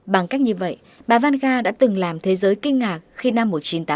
bằng cách như vậy bà vanga đã từng làm thế giới kinh ngạc khi năm một nghìn chín trăm tám mươi